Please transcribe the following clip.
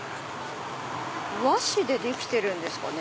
和紙でできてるんですかね？